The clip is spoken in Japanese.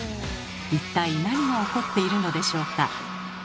一体何が起こっているのでしょうか？